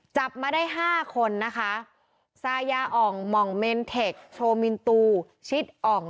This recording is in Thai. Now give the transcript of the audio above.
จับมาได้ห้าคนนะคะซายาอ่องหม่องเมนเทคโชมินตูชิดอ่อง